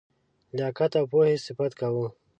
لیاقت او پوهي صفت کاوه.